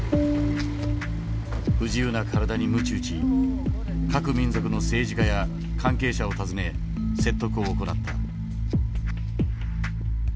不自由な体にむち打ち各民族の政治家や関係者を訪ね説得を行った。